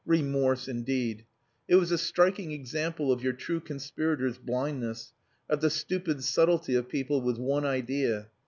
Remorse, indeed! It was a striking example of your true conspirator's blindness, of the stupid subtlety of people with one idea.